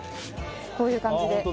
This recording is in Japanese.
こういう感じでああ